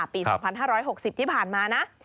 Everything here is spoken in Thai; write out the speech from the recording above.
ปี๒๕๖๐ที่ผ่านมานะ